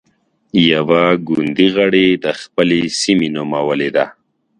يوه ګوندي غړې د خپلې سيمې نومولې ده.